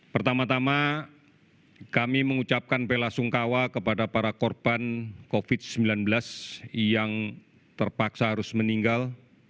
pertama tama kami mengucapkan bela sungkawa kepada para korban covid sembilan belas yang terpaksa harus meninggal